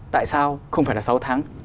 tại sao không phải là sáu tháng